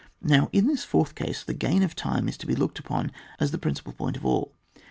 Now in this fourth case the gain of time is to be looked upon as the principal point of all.